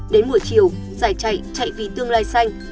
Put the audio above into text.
đến buổi chiều giải chạy chạy vì tương lai xanh